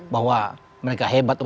bahwa mereka hebat